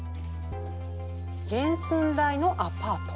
原寸大のアパート。